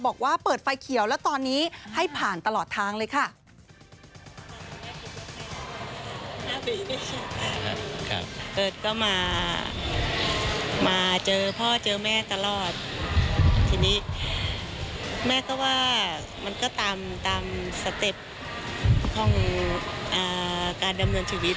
บอกว่าเปิดไฟเขียวแล้วตอนนี้ให้ผ่านตลอดทางเลยค่ะ